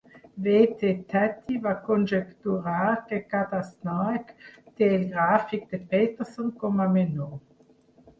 W. T. Tutte va conjecturar que cada snark té el gràfic de Petersen com a menor.